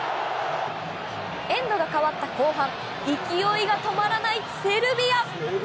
エンドが変わった後半勢いが止まらないセルビア。